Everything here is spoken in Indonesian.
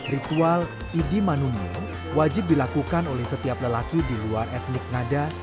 ritual idi manunium wajib dilakukan oleh setiap lelaki di luar etnik nada